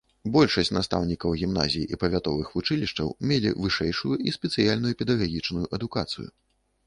Большасць настаўнікаў гімназій і павятовых вучылішчаў мелі вышэйшую і спецыяльную педагагічную адукацыю.